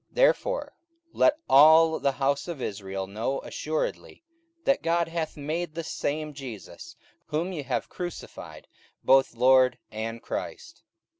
44:002:036 Therefore let all the house of Israel know assuredly, that God hath made the same Jesus, whom ye have crucified, both Lord and Christ.